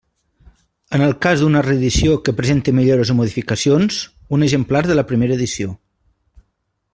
En el cas d'una reedició que presente millores o modificacions, un exemplar de la primera edició.